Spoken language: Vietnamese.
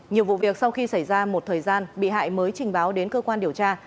nhiều vụ việc sau khi xảy ra một thời gian bị hại mới trình báo đến cơ quan điều tra